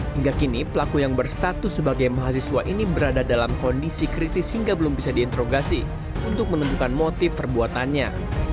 hingga kini pelaku yang berstatus sebagai mahasiswa ini berada dalam kondisi kritis hingga belum bisa diinterogasi untuk menentukan motif perbuatannya